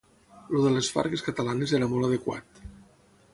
El de les fargues catalanes era molt adequat.